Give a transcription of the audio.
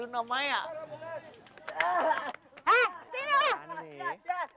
ini adanya segini aja mbak